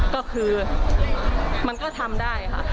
ก็คือมันก็ทำได้ค่ะ